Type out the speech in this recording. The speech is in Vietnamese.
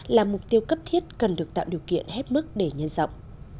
là mục tiêu cấp thiết cần được tạo điều kiện hết mức để nhân rộng